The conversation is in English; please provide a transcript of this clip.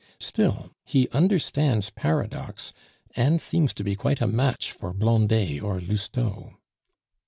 Still he understands paradox, and seems to be quite a match for Blondet or Lousteau."